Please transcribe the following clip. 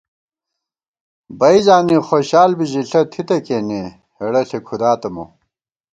بَئ زانی خوشال بی ژِݪہ تھِتہ کېنے ، ہېڑہ ݪی کھُداتہ مو